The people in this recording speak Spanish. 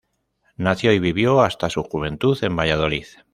Nació y vivió hasta su juventud en Valladolid.